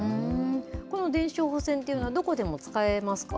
この電子処方箋というのは、どこでも使えますか。